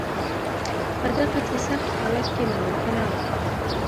په دغسې سخت حالت کې ناممکنه وه.